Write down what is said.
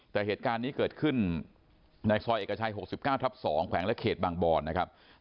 แต่เหตุการณ์นี้เกิดขึ้นในซอยเอกชัย๖๙ทับ๒แขวงและเขตบางบอนนะครับ